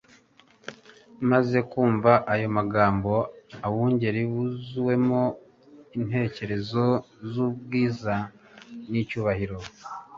Bamaze kumva ayo magambo, abungeri buzuwemo intekerezo z'ubwiza n'icyubahiro